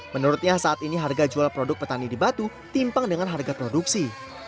menurutnya saat ini harga jual produk petani di batu timpang dengan harga produksi